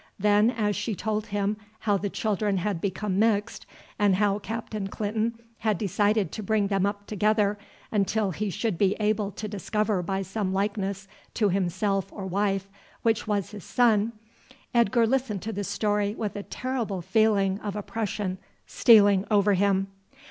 Then as she told him how the children had become mixed, and how Captain Clinton had decided to bring them up together until he should be able to discover by some likeness to himself or wife which was his son, Edgar listened to the story with a terrible feeling of oppression stealing over him.